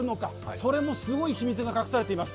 それもすごい秘密が隠されています。